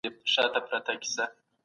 پلان جوړونه هیڅکله بې ارزښته کار نه دی.